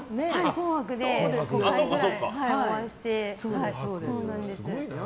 「紅白」で５回ぐらいお会いしてます。